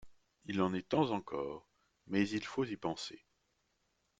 Il en est temps encore, mais il faut y penser…